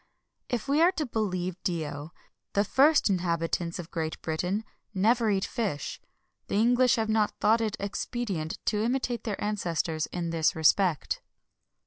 If we are to believe Dio,[XXI 23] the first inhabitants of Great Britain never eat fish. The English have not thought it expedient to imitate their ancestors in this respect.